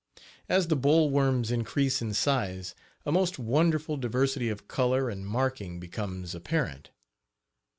As the boll worms increase in size a most wonderful diversity of color and marking becomes apparent.